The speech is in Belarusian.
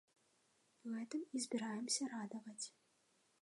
Гэтым і збіраемся радаваць.